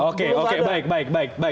oke oke baik baik